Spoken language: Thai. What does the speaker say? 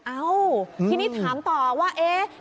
เอ้าทีนี้ถามต่อว่าเอ๊ะ